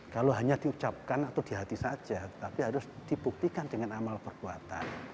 kalau hanya diucapkan atau di hati saja tapi harus dibuktikan dengan amal perbuatan